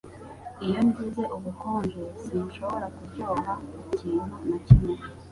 Iyo ngize ubukonje, sinshobora kuryoha ikintu na kimwe.